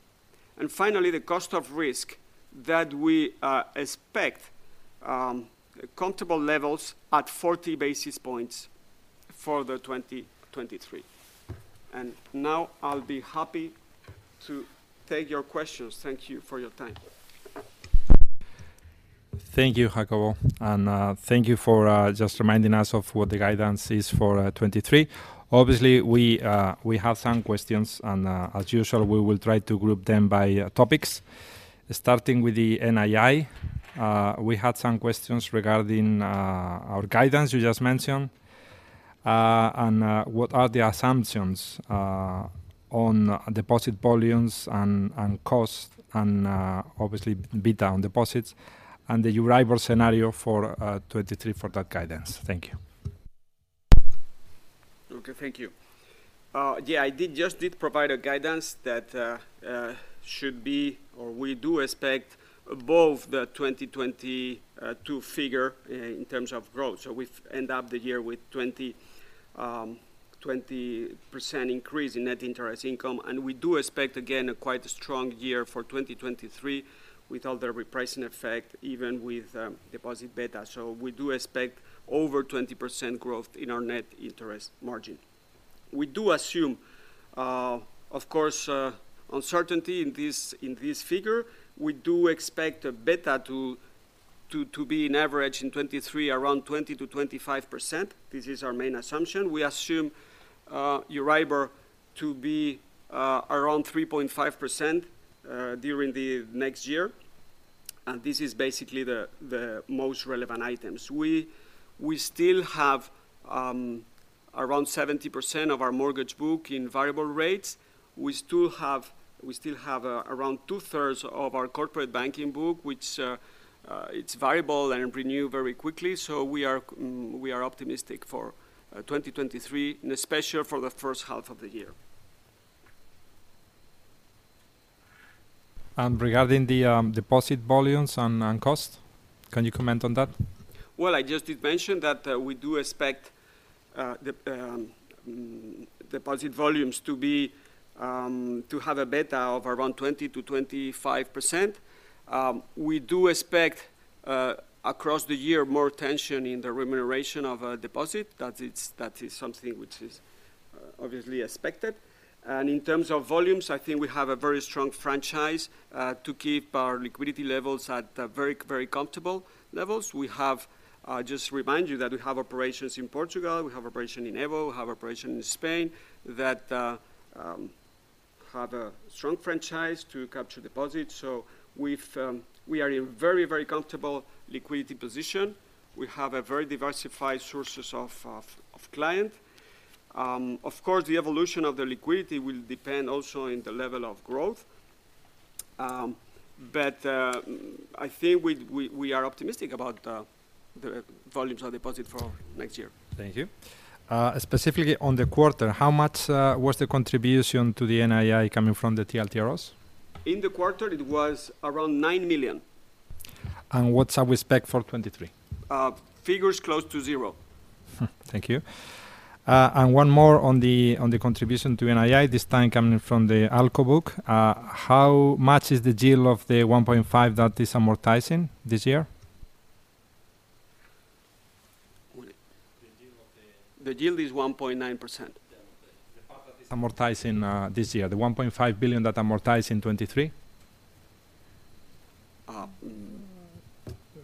Finally, the cost of risk that we expect comfortable levels at 40 basis points for the 2023. Now I'll be happy to take your questions. Thank you for your time. Thank you, Jacobo. Thank you for just reminding us of what the guidance is for 2023. Obviously, we have some questions and, as usual, we will try to group them by topics. Starting with the NII, we had some questions regarding our guidance you just mentioned, and what are the assumptions on deposit volumes and costs and obviously beta on deposits and the Euribor scenario for 2023 for that guidance. Thank you. Okay, thank you. Yeah, I just did provide a guidance that should be, or we do expect above the 2022 figure in terms of growth. We've end up the year with 20% increase in net interest income. We do expect, again, a quite strong year for 2023 without the repricing effect, even with deposit beta. We do expect over 20% growth in our net interest margin. We do assume, of course, uncertainty in this figure. We do expect a beta to be in average in 2023, around 20%-25%. This is our main assumption. We assume Euribor to be around 3.5% during the next year, this is basically the most relevant items. We still have around 70% of our mortgage book in variable rates. We still have around two-thirds of our corporate banking book, which it's variable and renew very quickly. We are optimistic for 2023, and especially for the first half of the year. Regarding the deposit volumes and cost, can you comment on that? Well, I just did mention that we do expect the deposit volumes to be to have a deposit beta of around 20%-25%. We do expect across the year, more tension in the remuneration of a deposit. That is something which is obviously expected. In terms of volumes, I think we have a very strong franchise to keep our liquidity levels at a very comfortable levels. We have just remind you that we have operations in Portugal, we have operation in EVO, we have operation in Spain that have a strong franchise to capture deposits. We've we are in very comfortable liquidity position. We have a very diversified sources of client. Of course, the evolution of the liquidity will depend also in the level of growth, but, I think we are optimistic about, the volumes of deposit for next year. Thank you. Specifically on the quarter, how much was the contribution to the NII coming from the TLTROs? In the quarter, it was around nine million. What's our respect for 2023? Figures close to zero. Thank you. One more on the, on the contribution to NII, this time coming from the ALCO book. How much is the deal of the 1.5 that is amortizing this year? The yield is 1.9%. The fact that it's amortizing this year. The 1.5 billion that amortize in 2023. Uh, mm...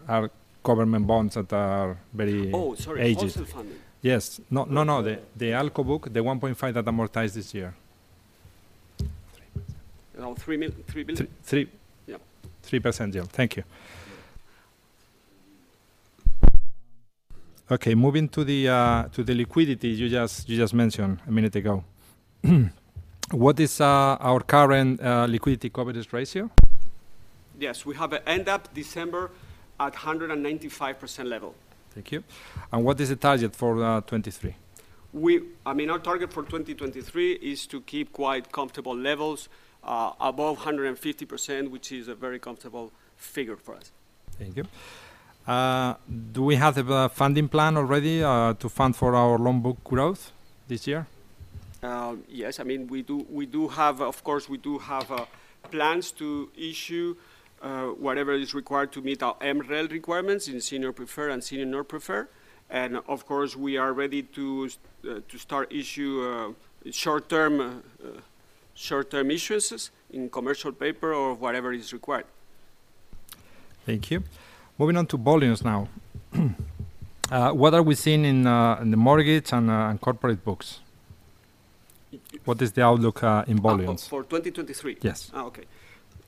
Our government bonds that are. Oh, sorry.... aged. Wholesale funding. Yes. No, no. The ALCO book, the 1.5 that amortize this year. 3%. [No, EUR three million, EUR three billion]. Three. Yeah. 3% yield. Thank you. Moving to the liquidity you just mentioned a minute ago. What is our current liquidity coverage ratio? Yes. We have end up December at 195% level. Thank you. What is the target for 2023? I mean, our target for 2023 is to keep quite comfortable levels, above 150%, which is a very comfortable figure for us. Thank you. Do we have a funding plan already, to fund for our loan book growth this year? Yes. I mean, we do have, of course, we do have plans to issue whatever is required to meet our MREL requirements in senior preferred and senior non-preferred. Of course, we are ready to start issue short-term issuances in commercial paper or whatever is required. Thank you, Moving on to volumes now. What are we seeing in the mortgage and corporate books? What is the outlook in volumes? For 2023? Yes. Okay.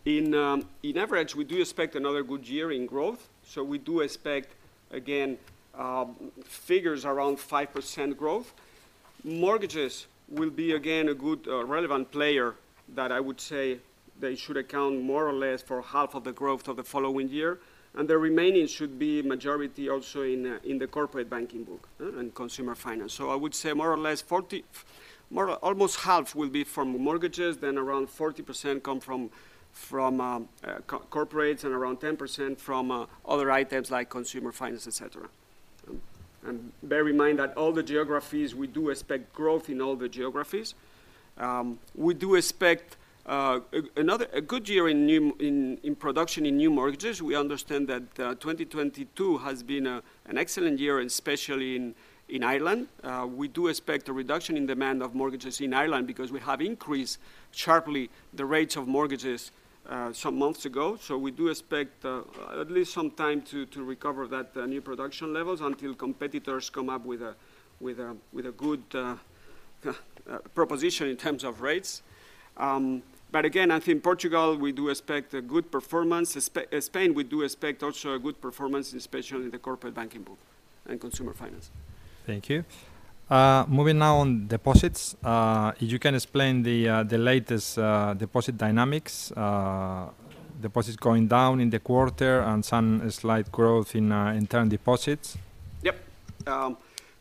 In average, we do expect another good year in growth. We do expect, again, figures around 5% growth. Mortgages will be, again, a good, relevant player. That I would say they should account more or less for half of the growth of the following year, and the remaining should be majority also in the corporate banking book and consumer finance. I would say more or less 40%... almost half will be from mortgages, then around 40% come from corporates and around 10% from other items like consumer finance, et cetera. Bear in mind that all the geographies, we do expect growth in all the geographies. We do expect another good year in new in production in new mortgages. We understand that 2022 has been an excellent year and especially in Ireland. We do expect a reduction in demand of mortgages in Ireland because we have increased sharply the rates of mortgages some months ago. We do expect at least some time to recover new production levels until competitors come up with a good proposition in terms of rates. Again, I think Portugal, we do expect a good performance. Spain, we do expect also a good performance, especially in the corporate banking book and consumer finance. Thank you. Moving now on deposits. You can explain the latest deposit dynamics, deposits going down in the quarter and some slight growth in term deposits? Yep.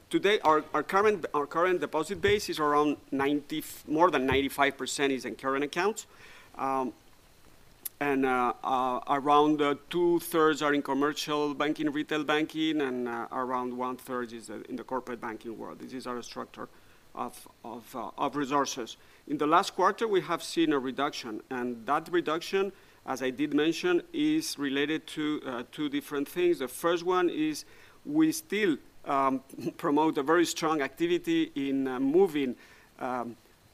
Today, our current deposit base is more than 95% in current accounts. Around two-thirds are in commercial banking, retail banking, and around one-third is in the corporate banking world. This is our structure of resources. In the last quarter, we have seen a reduction, and that reduction, as I did mention, is related to two different things. The first one is we still promote a very strong activity in moving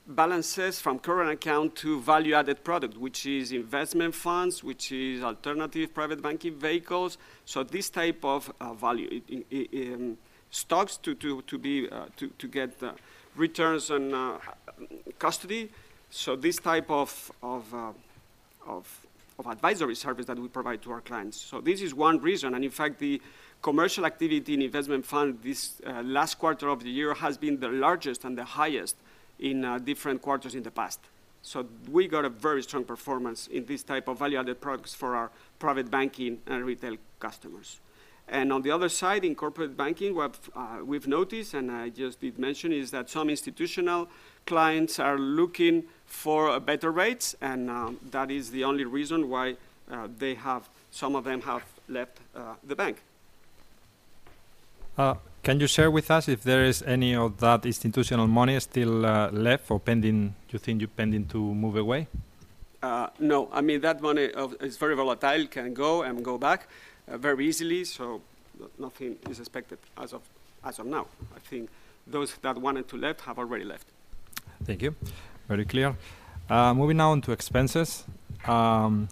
balances from current account to value-added product, which is investment funds, which is alternative private banking vehicles. This type of value in stocks to be to get returns and custody. This type of advisory service that we provide to our clients. This is one reason, and in fact, the commercial activity in investment fund this last quarter of the year has been the largest and the highest in different quarters in the past. We got a very strong performance in this type of value-added products for our private banking and retail customers. On the other side, in corporate banking, what we've noticed, and I just did mention, is that some institutional clients are looking for better rates, and that is the only reason why some of them have left the bank. Can you share with us if there is any of that institutional money still left or pending, you think pending to move away? No. I mean, that money is very volatile, can go and go back very easily. Nothing is expected as of now. I think those that wanted to left have already left. Thank you. Very clear. Moving now on to expenses.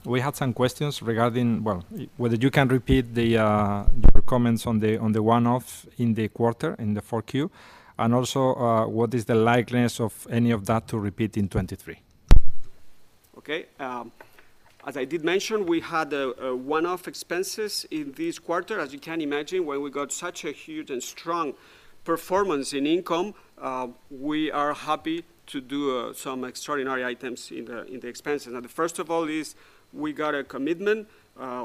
We had some questions regarding, well, whether you can repeat the, your comments on the, on the one-off in the quarter, in the 4Q, and also, what is the likeness of any of that to repeat in 2023? Okay. As I did mention, we had a one-off expenses in this quarter. As you can imagine, when we got such a huge and strong performance in income, we are happy to do some extraordinary items in the expenses. First of all is we got a commitment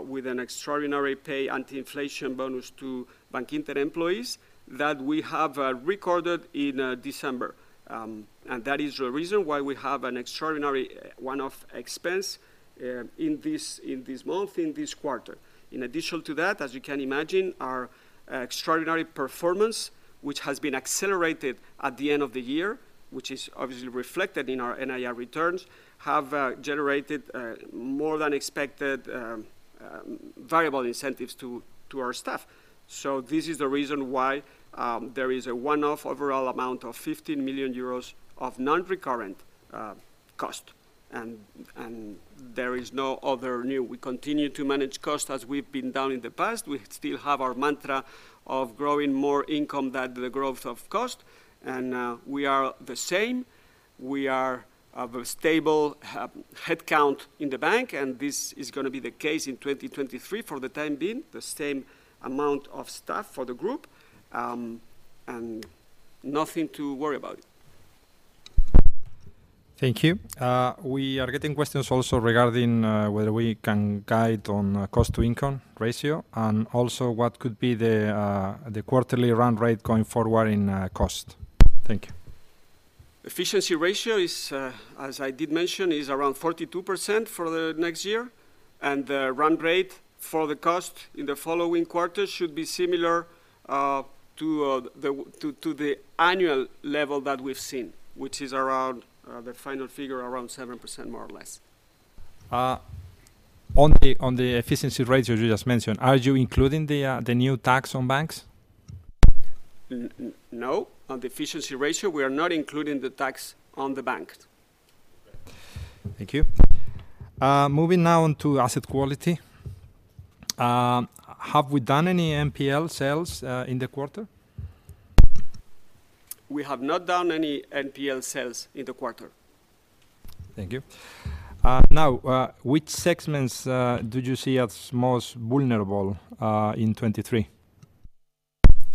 with an extraordinary pay anti-inflation bonus to Bankinter employees that we have recorded in December. That is the reason why we have an extraordinary one-off expense in this month, in this quarter. In addition to that, as you can imagine, our extraordinary performance, which has been accelerated at the end of the year, which is obviously reflected in our NIR returns, have generated more than expected variable incentives to our staff. This is the reason why there is a one-off overall amount of 15 million euros of non-recurrent cost. There is no other new. We continue to manage cost as we've been done in the past. We still have our mantra of growing more income than the growth of cost, and we are the same. We are of a stable headcount in the bank, and this is gonna be the case in 2023 for the time being, the same amount of staff for the group, and nothing to worry about. Thank you. We are getting questions also regarding whether we can guide on cost-to-income ratio, and also what could be the quarterly run rate going forward in cost. Thank you. Efficiency ratio is, as I did mention, is around 42% for the next year, and the run rate for the cost in the following quarters should be similar to the annual level that we've seen, which is around, the final figure, around 7%, more or less. On the, on the efficiency ratio you just mentioned, are you including the new tax on banks? No. On the efficiency ratio, we are not including the tax on the bank. Thank you. Moving now on to asset quality. Have we done any NPL sales in the quarter? We have not done any NPL sales in the quarter. Thank you. Now, which segments, do you see as most vulnerable, in 2023?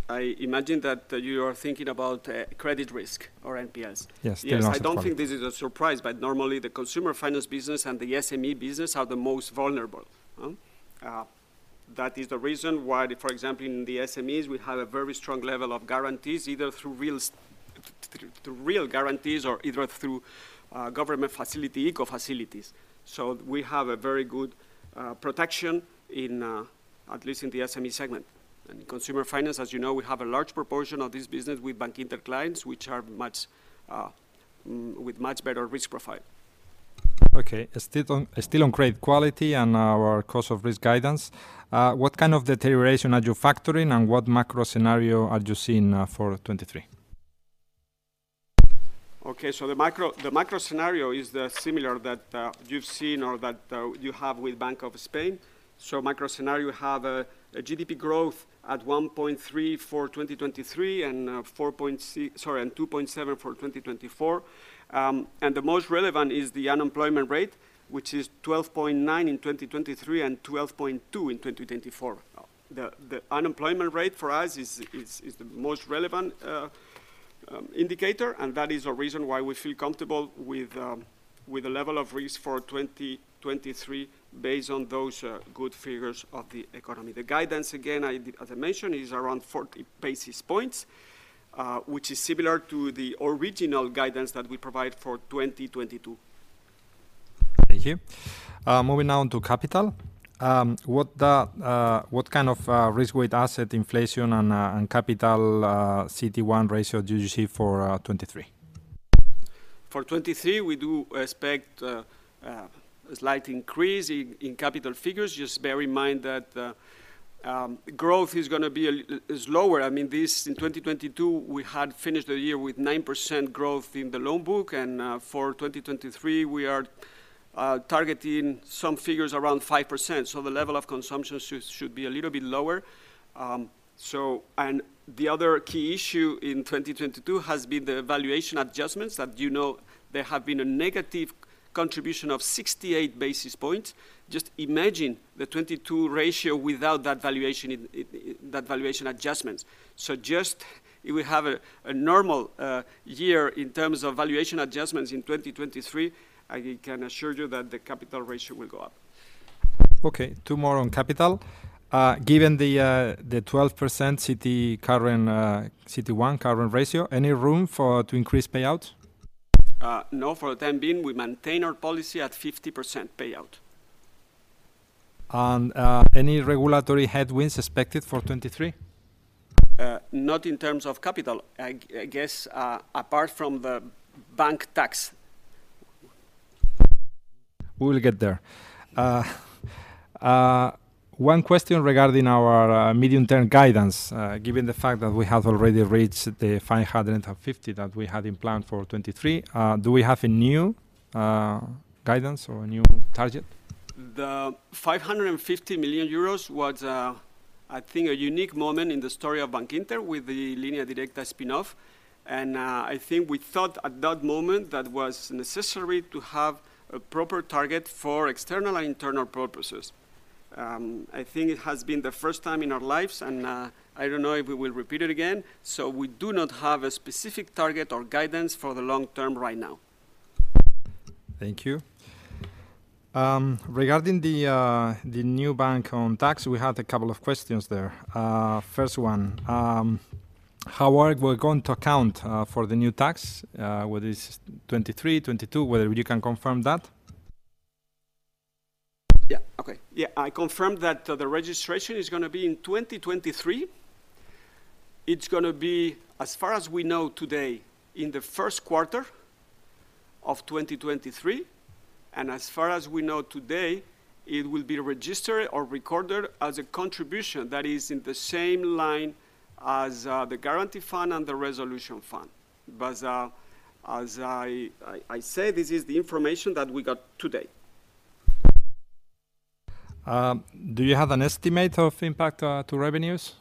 I imagine that, you are thinking about, credit risk or NPS. Yes, the NPS product- I don't think this is a surprise, normally the consumer finance business and the SME business are the most vulnerable, huh? That is the reason why, for example, in the SMEs, we have a very strong level of guarantees, either through real to real guarantees or either through government facility, ICO facilities. We have a very good protection in at least in the SME segment. In consumer finance, as you know, we have a large proportion of this business with Bankinter clients, which are much with much better risk profile. Okay. Still on credit quality and our cost of risk guidance, what kind of deterioration are you factoring, and what macro scenario are you seeing for 2023? The macro scenario is the similar that you've seen or that you have with Banco de España. Macro scenario have a GDP growth at 1.3 for 2023 and 2.7 for 2024. The most relevant is the unemployment rate, which is 12.9 in 2023 and 12.2 in 2024. The unemployment rate for us is the most relevant indicator, that is the reason why we feel comfortable with the level of risk for 2023 based on those good figures of the economy. The guidance, again, as I mentioned, is around 40 basis points, which is similar to the original guidance that we provide for 2022. Thank you. Moving on to capital, what kind of risk-weighted asset inflation and capital CET1 ratio do you see for 2023? For 2023, we do expect a slight increase in capital figures. Just bear in mind that growth is gonna be lower. I mean, this, in 2022, we had finished the year with 9% growth in the loan book, and for 2023, we are targeting some figures around 5%, so the level of consumption should be a little bit lower. The other key issue in 2022 has been the valuation adjustments that you know there have been a negative contribution of 68 basis points. Just imagine the 2022 ratio without that valuation in that valuation adjustments. Just, if we have a normal year in terms of valuation adjustments in 2023, I can assure you that the capital ratio will go up. Okay, two more on capital. Given the 12% CET1 current ratio, any room for to increase payout? No. For the time being we maintain our policy at 50% payout. Any regulatory headwinds expected for 2023? Not in terms of capital. I guess, apart from the bank tax. We will get there. One question regarding our medium-term guidance. Given the fact that we have already reached the 550 that we had in plan for 2023, do we have a new guidance or a new target? The 550 million euros was, I think, a unique moment in the story of Bankinter with the Línea Directa spin-off. I think we thought at that moment that was necessary to have a proper target for external and internal purposes. I think it has been the first time in our lives. I don't know if we will repeat it again. We do not have a specific target or guidance for the long term right now. Thank you. Regarding the new bank on tax, we had a couple of questions there. First one, how are we going to account for the new tax, whether it's 2023, 2022, whether you can confirm that? Okay. I confirm that the registration is gonna be in 2023. It's gonna be, as far as we know today, in the first quarter of 2023, and as far as we know today, it will be registered or recorded as a contribution that is in the same line as the Guarantee Fund and the Resolution Fund. As I say, this is the information that we got today. Do you have an estimate of impact to revenues?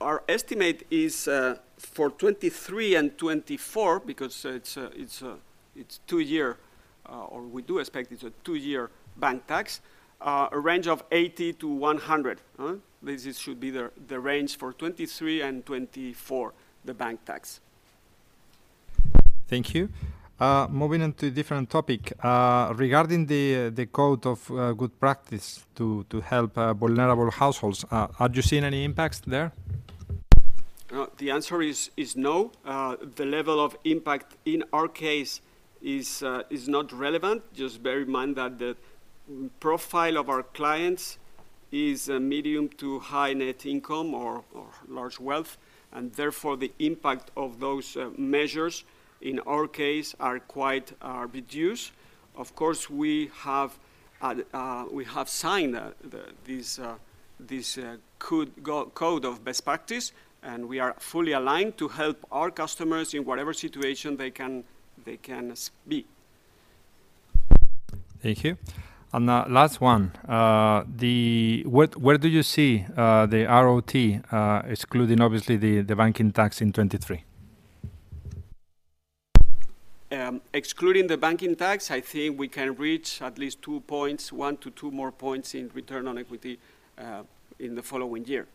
Our estimate is for 2023 and 2024 because it's a two-year, or we do expect it's a two-year bank tax, a range of 80-100, huh? This should be the range for 2023 and 2024, the bank tax. Thank you. Moving into a different topic. Regarding the Code of Good Practice to help vulnerable households, are you seeing any impacts there? The answer is no. The level of impact in our case is not relevant. Just bear in mind that the profile of our clients is a medium to high net income or large wealth, and therefore the impact of those measures in our case are quite reduced. Of course, we have signed this Code of Good Practice, and we are fully aligned to help our customers in whatever situation they can be. Thank you. last one. Where do you see the ROTE, excluding obviously the banking tax in 2023? Excluding the banking tax, I think we can reach at least two points, one-two more points in return on equity, in the following year.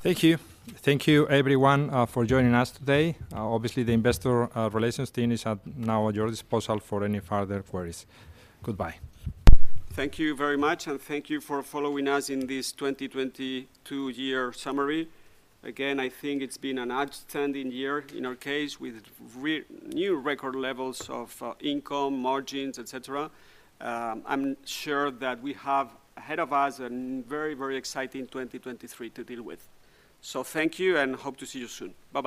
Thank you. Thank you, everyone, for joining us today. Obviously the investor, relations team is at, now at your disposal for any further queries. Goodbye. Thank you very much, and thank you for following us in this 2022 year summary. Again, I think it's been an outstanding year in our case with new record levels of income, margins, et cetera. I'm sure that we have ahead of us a very, very exciting 2023 to deal with. Thank you and hope to see you soon. Bye-bye.